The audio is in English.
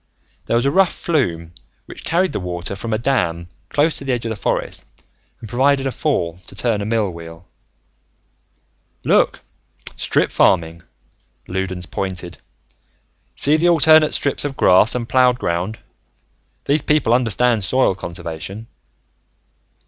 There was a rough flume which carried the water from a dam close to the edge of the forest and provided a fall to turn a mill wheel. "Look, strip farming," Loudons pointed. "See the alternate strips of grass and plowed ground. These people understand soil conservation.